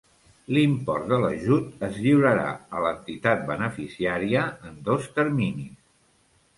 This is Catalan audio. L'import de l'ajut es lliurarà a l'entitat beneficiària en dos terminis.